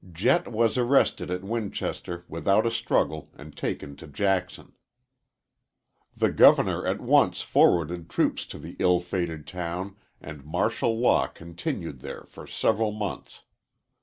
Jett was arrested at Winchester without a struggle and taken to Jackson. The Governor at once forwarded troops to the ill fated town and martial law continued there for several months.